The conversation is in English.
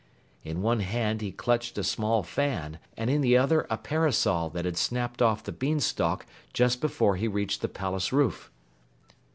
In one hand he clutched a small fan, and in the other a parasol that had snapped off the beanstalk just before he reached the palace roof.